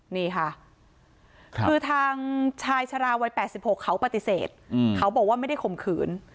นี่ค่ะคือทางชายชะลาวัย๘๖เขาปฏิเสธเขาบอกว่าไม่ได้ข่มขืน